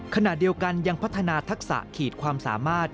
ขณะเดียวกันยังพัฒนาทักษะขีดความสามารถ